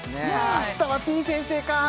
明日はてぃ先生か！